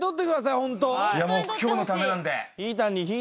ホントいやもう今日のためなんでひー